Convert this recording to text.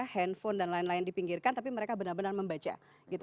handphone dan lain lain dipinggirkan tapi mereka benar benar membaca gitu